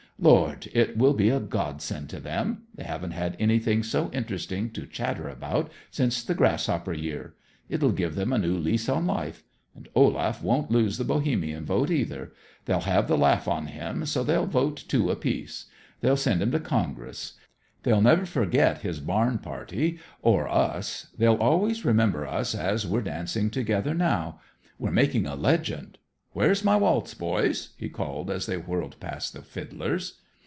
Lord, it will be a godsend to them! They haven't had anything so interesting to chatter about since the grasshopper year. It'll give them a new lease of life. And Olaf won't lose the Bohemian vote, either. They'll have the laugh on him so that they'll vote two apiece. They'll send him to Congress. They'll never forget his barn party, or us. They'll always remember us as we're dancing together now. We're making a legend. Where's my waltz, boys?" he called as they whirled past the fiddlers.